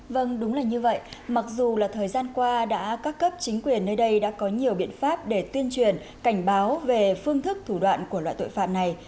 vâng đúng là như vậy mặc dù là thời gian qua các cấp chính quyền nơi đây đã có nhiều biện pháp để tuyên truyền cảnh báo về phương thức thủ đoạn của loại tội phạm này